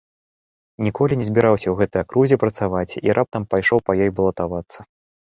Ніколі не збіраўся ў гэтай акрузе працаваць і раптам пайшоў па ёй балатавацца.